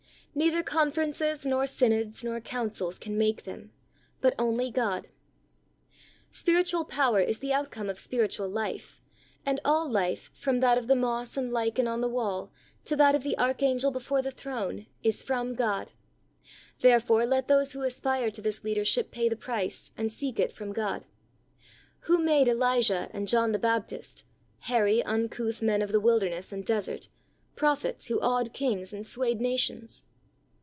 Neither con ferences, nor synods, nor councils can make them, but only God. •38 THE SOUL winner's SECRET. Spiritual power is the outcome of spiritual life, and all life, from that of the moss and lichen on the wall to that of the arch angel before the Throne, is from God, Therefore let those who aspire to this leader ship pay the price, and seek it from God. Who made Elijah and John the Baptist — hairy, uncouth men of the wilderness and desert — prophets who awed kings and swayed nations?